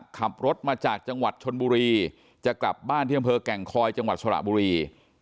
ขับรถมาจากจังหวัดชนบุรีจะกลับบ้านที่อำเภอแก่งคอยจังหวัดสระบุรี